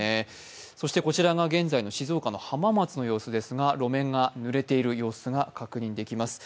そしてこちらが現在の静岡の浜松の様子ですが路面がぬれている様子が確認できます。